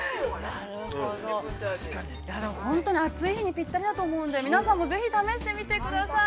◆でも本当に暑い日にぴったりだと思うので、皆さんもぜひ試してみてください。